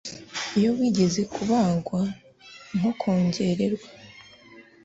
iyo wigeze kubagwa nko kongererwa